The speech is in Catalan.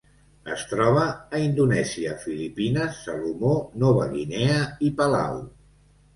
Es troba a Indonèsia, Filipines, Salomó, Nova Guinea i Palau.